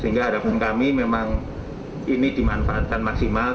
sehingga harapan kami memang ini dimanfaatkan maksimal